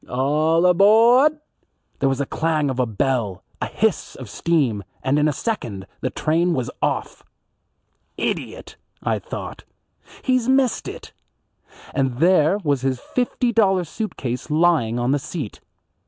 All abawd." There was the clang of a bell, a hiss of steam, and in a second the train was off. "Idiot," I thought, "he's missed it;" and there was his fifty dollar suit case lying on the seat.